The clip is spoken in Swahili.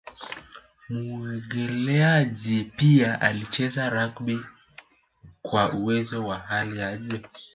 muogeleaji pia alicheza rugby kwa uwezo wa hali ya juu